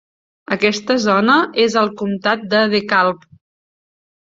Aquesta zona és al comtat de DeKalb.